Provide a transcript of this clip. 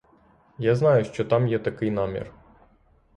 Я знаю, що там є такий намір.